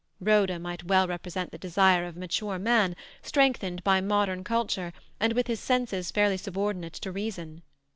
Rhoda might well represent the desire of a mature man, strengthened by modern culture and with his senses fairly subordinate to reason.